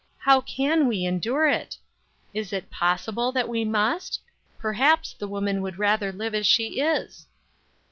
How can we endure it? Is it possible that we must? Perhaps the woman would rather live as she is."